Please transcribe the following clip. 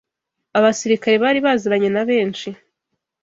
abasirikare bari baziranye na benshi